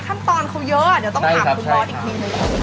ขั้นตอนเขาเยอะต้องขามถึงลอดอีกทีหน่อย